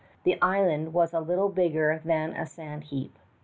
The island was little better than a sand heap.